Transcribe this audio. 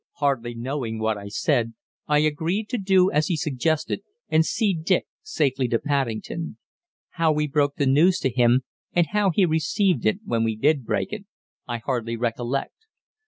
Hardly knowing what I said, I agreed to do as he suggested, and see Dick safely to Paddington. How we broke the news to him, and how he received it when we did break it, I hardly recollect.